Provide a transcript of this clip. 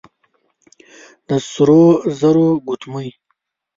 د سرو زرو ګوتمۍ،